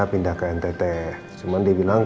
pindah ke ntt cuman dia bilang